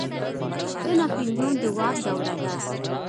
د ناپلیون د واک دوره ده.